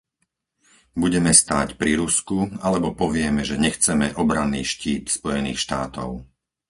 Budeme stáť pri Rusku alebo povieme, že nechceme obranný štít Spojených štátov?